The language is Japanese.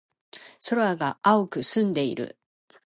空が青く澄んでいる。